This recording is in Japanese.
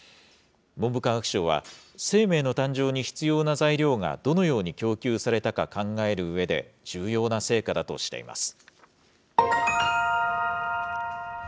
文部科学省は、生命の誕生に必要な材料がどのように供給されたか考えるうえで重要な成果だとしています。